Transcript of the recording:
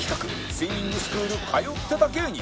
スイミングスクール通ってた芸人